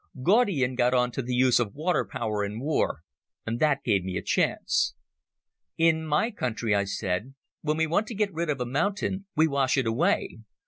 Gaudian got on to the use of water power in war, and that gave me a chance. "In my country," I said, "when we want to get rid of a mountain we wash it away.